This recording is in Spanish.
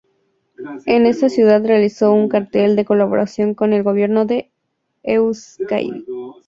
En esa ciudad realizó un cartel de colaboración con el gobierno de Euzkadi.